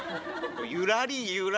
ゆらりゆられ」。